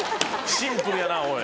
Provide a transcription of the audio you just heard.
シンプルやなおい。